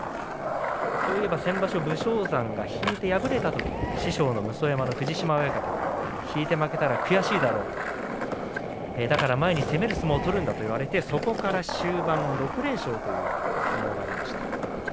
そういえば先場所武将山が引いて敗れたときに師匠の武双山の藤島親方から引いて負けたら悔しいだろうとだから前に攻める相撲を取るんだと言われてそこから終盤６連勝という相撲がありました。